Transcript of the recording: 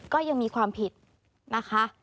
ก็ยังมีความผิดนะคะ